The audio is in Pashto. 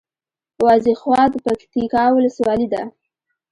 وازېخواه د پکتیکا ولسوالي ده